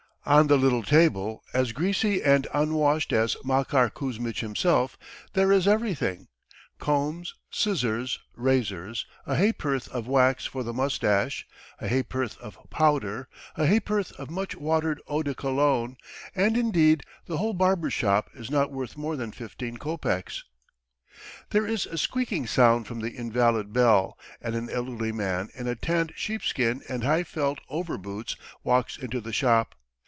On the little table, as greasy and unwashed as Makar Kuzmitch himself, there is everything: combs, scissors, razors, a ha'porth of wax for the moustache, a ha'porth of powder, a ha'porth of much watered eau de Cologne, and indeed the whole barber's shop is not worth more than fifteen kopecks. There is a squeaking sound from the invalid bell and an elderly man in a tanned sheepskin and high felt over boots walks into the shop.